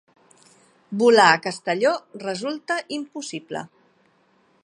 Volar a Castelló resulta impossible